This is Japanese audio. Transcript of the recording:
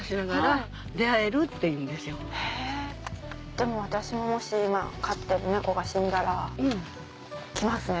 でも私もし今飼ってる猫が死んだら来ますね